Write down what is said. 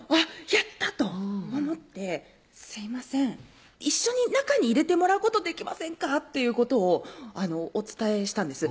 やったと思って「すいません一緒に中に入れてもらうことできませんか？」っていうことをお伝えしたんです「